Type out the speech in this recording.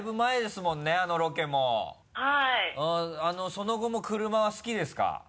その後も車は好きですか？